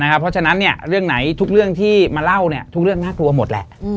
เพราะฉะนั้นเรื่องไหนทุกเรื่องที่มาเล่าทุกเรื่องน่ากลัวหมดแหละ